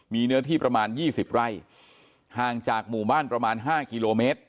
มีเนื้อที่ประมาณ๒๐ไร่ห่างจากหมู่บ้านประมาณ๕กิโลเมตร